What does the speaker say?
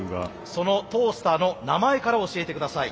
そのトースターの名前から教えて下さい。